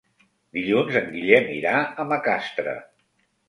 Dilluns en Guillem irà a Macastre.